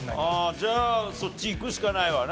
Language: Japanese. じゃあそっちいくしかないわな。